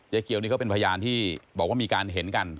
เกียวนี่เขาเป็นพยานที่บอกว่ามีการเห็นกัน